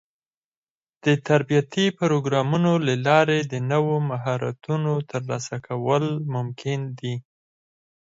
د تربيتي پروګرامونو له لارې د نوو مهارتونو ترلاسه کول ممکن دي.